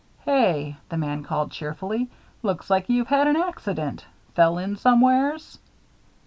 "Hey!" the man called cheerfully. "Looks like you'd had an accident. Fell in somewheres?"